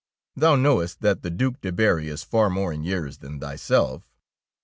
"Thou knowest that the Due de Berry is far more in years than thy self?